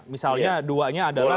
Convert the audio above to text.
misalnya duanya adalah